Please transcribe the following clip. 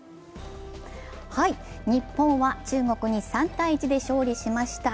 日本は中国に３−１で勝利しました。